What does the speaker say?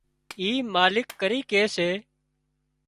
اي مالڪ ڪرِي ڪي سي